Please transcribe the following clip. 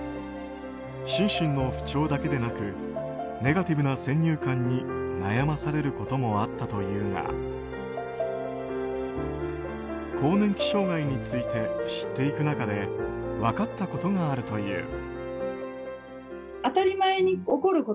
心身の不調だけでなくネガティブな先入観に悩まされることもあったというが更年期障害について知っていく中で分かったことがあるという。